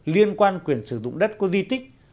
liên quan quyền sử dụng đất có di tích